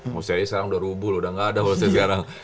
maksudnya ini sekarang udah rubuh loh udah gak ada holsey sekarang